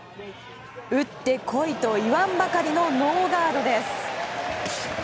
打ってこいと言わんばかりのノーガードです。